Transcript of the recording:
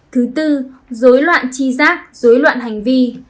thứ tư dối loạn chi giác dối loạn hành vi